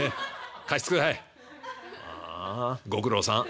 「はあご苦労さん。